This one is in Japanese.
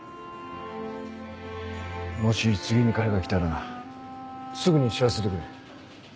もし次に彼が来たらすぐに知らせてくれ。